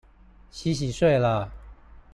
洗洗睡了